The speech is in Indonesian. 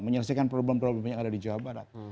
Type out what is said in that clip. menyelesaikan problem problem yang ada di jawa barat